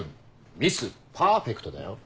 「ミス・パーフェクト」だよ？